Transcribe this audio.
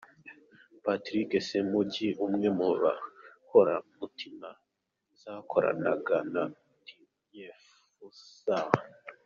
Patrick Ssemujju, umwe mu nkoramutima zakoranaga na Tinyefuza.